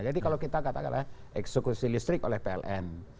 jadi kalau kita katakan eksekusi listrik oleh pln